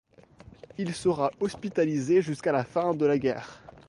Il sera hospitalisé jusqu'à la fin de la guerre.